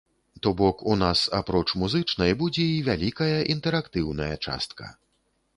То бок, у нас, апроч музычнай, будзе і вялікая інтэрактыўная частка.